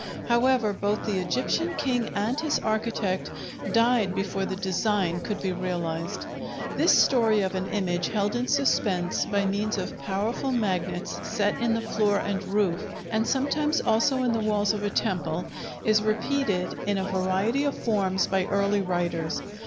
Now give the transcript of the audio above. However, both the Egyptian king and his architect died before the design could be realized. This story of an image held in suspense by means of powerful magnets set in the floor and roof, and sometimes also in the walls of a temple, is repeated in a variety of forms by early writers.